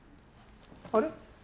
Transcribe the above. あれ？